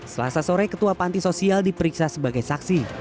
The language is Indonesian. selasa sore ketua panti sosial diperiksa sebagai saksi